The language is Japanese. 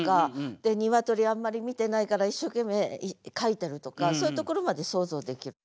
で鶏あんまり見てないから一生懸命描いてるとかそういうところまで想像できる。